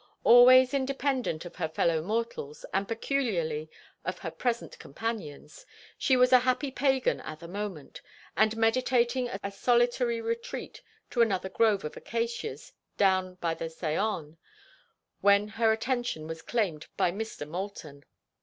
Always independent of her fellow mortals, and peculiarly of her present companions, she was a happy pagan at the moment, and meditating a solitary retreat to another grove of acacias down by the Saône, when her attention was claimed by Mr. Moulton.